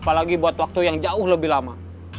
apalagi buat waktu yang jauh lebih lama